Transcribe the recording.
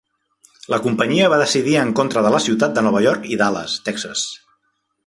La companyia va decidir en contra de la ciutat de Nova York i Dallas, Texas.